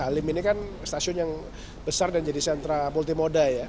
halim ini kan stasiun yang besar dan jadi sentra multimoda ya